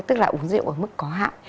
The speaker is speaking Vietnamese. tức là uống rượu ở mức có hạn